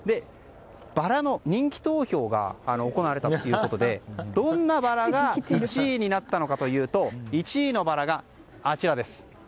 バラの人気投票が行われたということでどんなバラが１位になったのかというと１位のバラがあちらです。